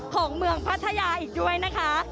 ของเมืองพัทยาอีกด้วยนะคะ